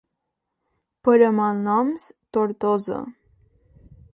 Per a malnoms, Tortosa.